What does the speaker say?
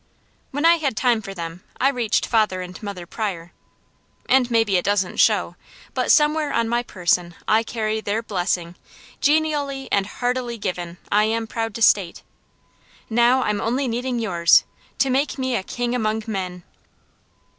When I had time for them, I reached Father and Mother Pryor, and maybe it doesn't show, but somewhere on my person I carry their blessing, genially and heartily given, I am proud to state. Now, I'm only needing yours, to make me a king among men."